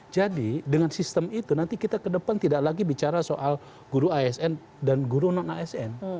jadi dengan sistem itu nanti kita kedepan tidak lagi bicara soal guru asn dan guru non asn